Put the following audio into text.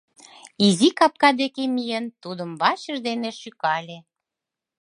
Изи капка деке миен, тудым вачыж дене шӱкале.